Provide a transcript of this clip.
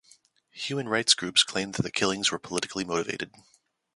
Human rights groups claimed that the killings were politically motivated.